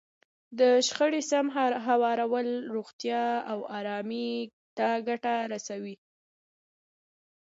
د شخړې سم هوارول روغتیا او ارامۍ ته ګټه رسوي.